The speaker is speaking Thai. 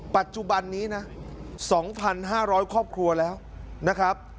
ปัจจุบันนี้นะ๒๕๐๐ครอบครัวแล้วนะครับ